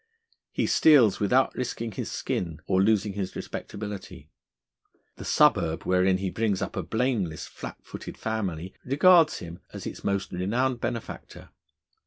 He steals without risking his skin or losing his respectability. The suburb, wherein he brings up a blameless, flat footed family, regards him as its most renowned benefactor.